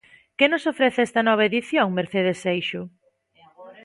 Que nos ofrece esta nova edición, Mercedes Seixo?